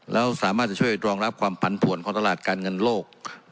แล้วสามารถจะช่วยรองรับความผันผวนของตลาดการเงินโลก